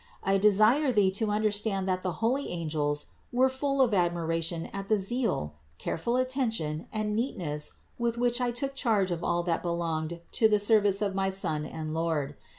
I desire thee to understand that the holy angels were full of admiration at the zeal, careful attention and neatness with which I took charge of all that belonged to the service of my Son and Lord.